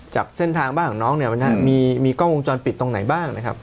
จากเส้นทางบ้านของน้องเนี่ยมีกล้องวงจรปิดตรงไหนบ้างนะครับ